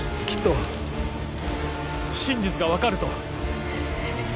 きっと真実が分かると。